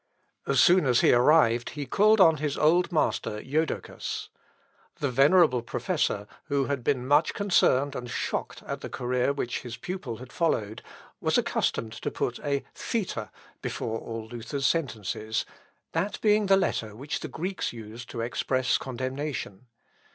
As soon as he arrived he called on his old master Jodocus. The venerable professor, who had been much concerned and shocked at the career which his pupil had followed, was accustomed to put a theta (θ) before all Luther's sentences, that being the letter which the Greeks used to express condemnation.